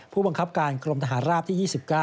ผู้บังคับการกรมทหารราบที่๒๙